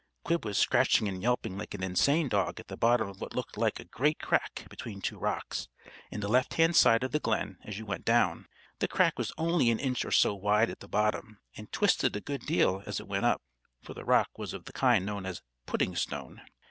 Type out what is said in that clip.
Quib was scratching and yelping like an insane dog at the bottom of what looked like a great crack between two rocks, in the left hand side of the glen as you went down. The crack was only an inch or so wide at the bottom, and twisted a good deal as it went up, for the rock was of the kind known as "pudding stone."